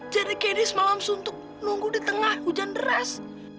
jadi candy semalam suntuk nunggu di tengah hujan deras